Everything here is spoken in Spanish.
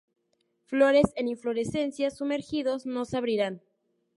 Flores en inflorescencias sumergidos no se abrirán.